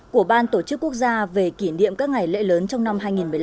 của ban tổ chức quốc gia về kỷ niệm các ngày lễ lớn trong năm hai nghìn một mươi năm